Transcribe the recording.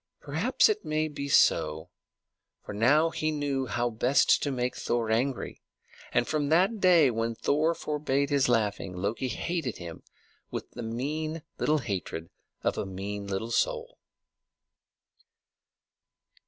Perhaps it may be so, for now he knew how best to make Thor angry; and from that day when Thor forbade his laughing, Loki hated him with the mean little hatred of a mean little soul.